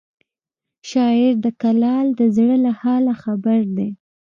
شاعر د کلال د زړه له حاله خبر دی